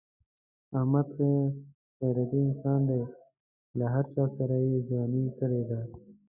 احمد ښه غیرتی انسان دی. له هر چاسره یې ځواني کړې ده.